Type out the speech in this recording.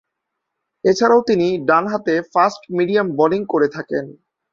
এছাড়াও তিনি ডানহাতে ফাস্ট-মিডিয়াম বোলিং করে থাকেন।